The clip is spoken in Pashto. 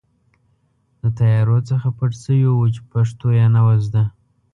د طیارو څخه پټ شوي وو چې پښتو یې نه وه زده.